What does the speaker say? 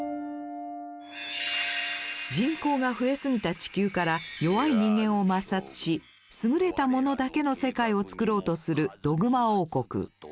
人口が増えすぎた地球から弱い人間を抹殺し優れた者だけの世界を作ろうとするドグマ王国。